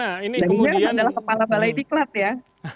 jadi kemudian adalah kepala bala insulat ya